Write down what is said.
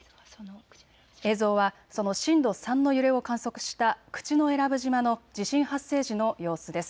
映像はその震度３の揺れを観測した口永良部島の地震発生時の様子です。